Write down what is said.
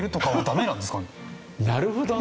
なるほどね。